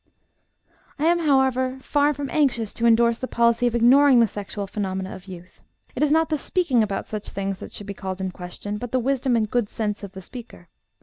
I am, however, far from anxious to indorse the policy of ignoring the sexual phenomena of youth. It is not the speaking about such things that should be called in question, but the wisdom and good sense of the speaker.